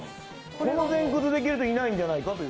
この前屈、できる人、いないんじゃないかという。